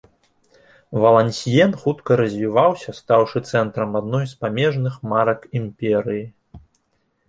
Валансьен хутка развіваўся, стаўшы цэнтрам адной з памежных марак імперыі.